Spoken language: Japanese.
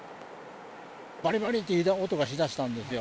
ばりばりと音がしだしたんですよ。